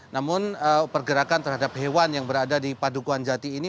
namun pergerakan terhadap hewan yang berada di padukuan jati ini